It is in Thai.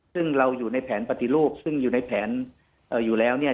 ซึ่งเราอยู่ในแผนปฏิรูปซึ่งอยู่ในแผนอยู่แล้วเนี่ย